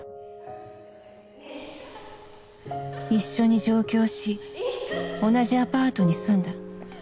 一緒に上京し同じアパートに住んだ。